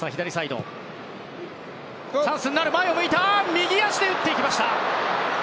右足で打っていきました